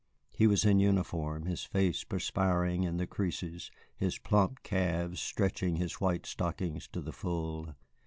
He was in uniform, his face perspiring in the creases, his plump calves stretching his white stockings to the full.